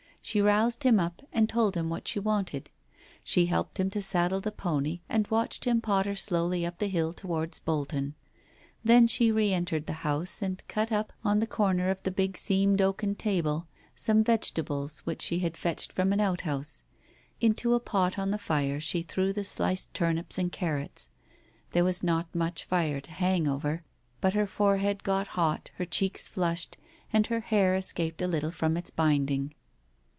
She roused him up, and told him what she wanted. She helped him to saddle the pony and watched him potter slowly up the hill towards Bolton. Then she re entered the house and cut up, on the corner of the big seamed oaken table, some vegetables which she had fetched from an outhouse. Into a pot on the fire she threw the sliced turnips and carrots. There was not much fire to hang over, but her forehead got hot, her cheeks flushed, and her hair escaped a little from its binding.